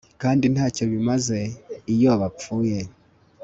Kandi ntacyo bimaze iyo bapfuye